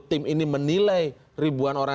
tim ini menilai ribuan orang